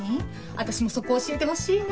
私もそこ教えてほしいな。